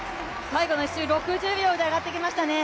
最後の１周６０秒で上がってきましたね。